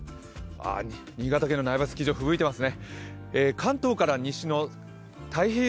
新潟県の苗場スキー場ふぶいてますね。